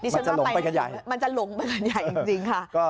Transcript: ฉันจะหลงไปกันใหญ่มันจะหลงไปกันใหญ่จริงค่ะ